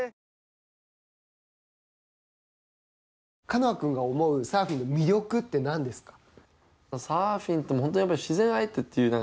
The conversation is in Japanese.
カノア君が思うサーフィンの魅力って何ですか。